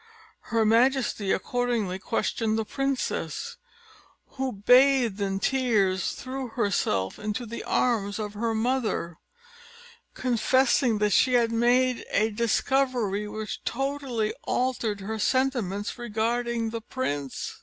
Her majesty accordingly questioned the princess, who, bathed in tears, threw herself into the arms of her mother, confessing that she had made a discovery which totally altered her sentiments regarding the prince.